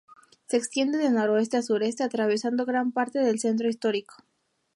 Se extiende de noroeste a sureste atravesando gran parte del Centro Histórico.